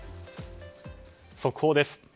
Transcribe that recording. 速報です。